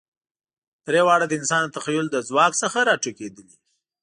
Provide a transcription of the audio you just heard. درې واړه د انسان د تخیل له ځواک څخه راټوکېدلي.